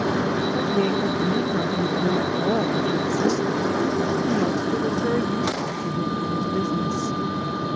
But Yankel need not leave home at all, he insisted. The youngster was very useful to him in his business.